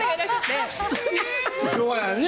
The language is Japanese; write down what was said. しょうがないよね。